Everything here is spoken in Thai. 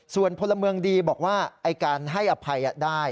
ส่วนพลเมืองดีบอกว่าการให้อภัยได้